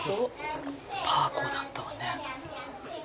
パーコーだったわね。